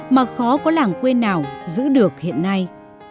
mà khó có làng quê nào giữ được hiện nay